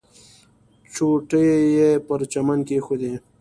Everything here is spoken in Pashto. چوټې یې پر چمن کېښودې.